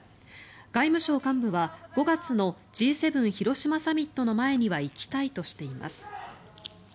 外務省幹部は５月のＧ７広島サミットの前には行きたいとしています。